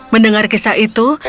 mendengar kisah itu